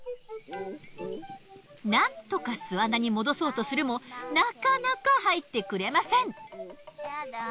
なんとか巣穴に戻そうとするもなかなか入ってくれません。